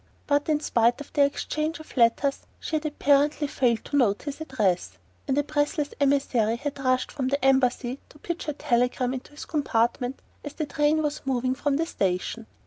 But in spite of their exchange of letters she had apparently failed to note his address, and a breathless emissary had rushed from the Embassy to pitch her telegram into his compartment as the train was moving from the station.